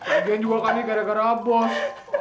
bagian juga kan nih gara gara bos